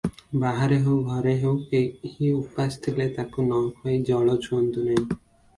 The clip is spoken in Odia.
ବାହାରେ ହେଉ, ଘରେ ହେଉ, କେହି ଉପାସ ଥିଲେ ତାକୁ ନ ଖୁଆଇ ଜଳ ଛୁଅନ୍ତି ନାହିଁ ।